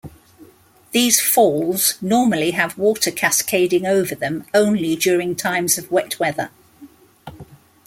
These falls normally have water cascading over them only during times of wet weather.